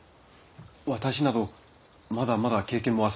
私などまだまだ経験も浅く。